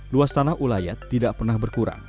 luas tanah ulayat tidak pernah berkurang